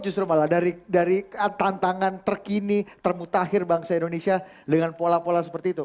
justru malah dari tantangan terkini termutahir bangsa indonesia dengan pola pola seperti itu